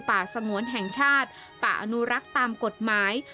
สงวนแห่งชาติป่าอนุรักษ์ตามกฎหมาย